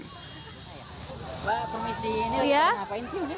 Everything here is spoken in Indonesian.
mbak permisi ini kita ngapain sih